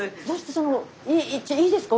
そのいいですか？